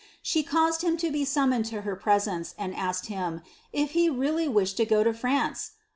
She caused bil to be Bummoiiecl to her presence, and asked him, if he really wished t go lo France